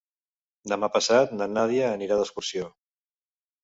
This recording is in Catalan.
Demà passat na Nàdia anirà d'excursió.